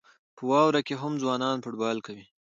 په واورو کې هم ځوانان فوټبال کوي.